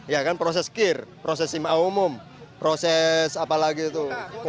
ya kan proses kir proses sma umum proses apa lagi itu